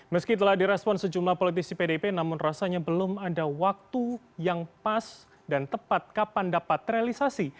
meski telah direspon sejumlah politisi pdp namun rasanya belum ada waktu yang pas dan tepat kapan dapat terrealisasi